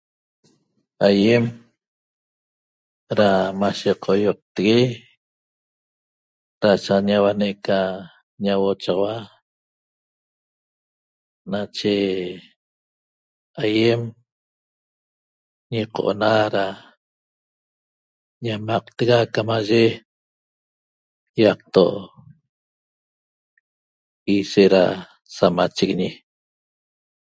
Aýem da mashe qoioqtegue da sa ñauane' ca ñauochaxaua nache aýem ñiqo'ona da ñamaqtega camaye ýaqto ishet da samachiguiñi